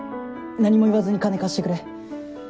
何も言わずに金貸してくれ！